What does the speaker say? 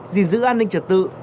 dình dữ an ninh trật tự